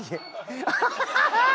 ハハハハ！